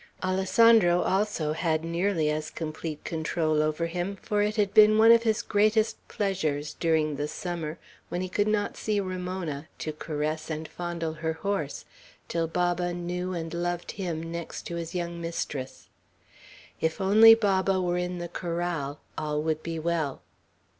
Alessandro also had nearly as complete control over him; for it had been one of his greatest pleasures, during the summer, when he could not see Ramona, to caress and fondle her horse, till Baba knew and loved him next to his young mistress. If only Baba were in the corral, all would be well.